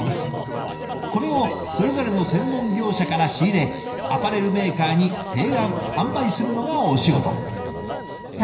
これをそれぞれの専門業者から仕入れアパレルメーカーに提案販売するのがお仕事。